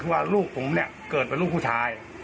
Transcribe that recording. ว่าลูกผมเนี่ยเกิดเป็นลูกผู้ชาย